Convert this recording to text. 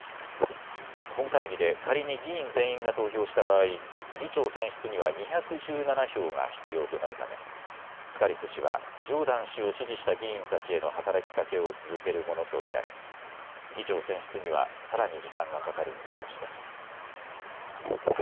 本会議で仮に議員全員が投票した場合、議長選出には２１７票が必要となるためスカリス氏はジョーダン氏を支持した議員たちへの働きかけを続けるものと見られ議長選出にはさらに時間がかかる見通しです。